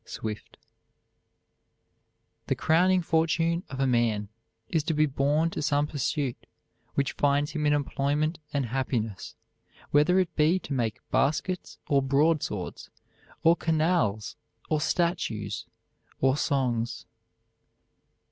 SWIFT. The crowning fortune of a man is to be born to some pursuit which finds him in employment and happiness, whether it be to make baskets, or broadswords, or canals, or statues, or songs.